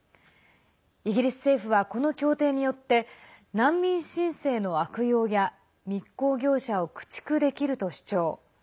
イギリス政府はこの協定によって難民申請の悪用や密航業者を駆逐できると主張。